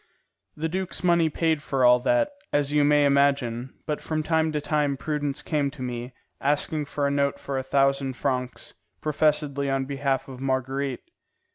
The duke's money paid for all that, as you may imagine; but from time to time Prudence came to me, asking for a note for a thousand francs, professedly on behalf of Marguerite.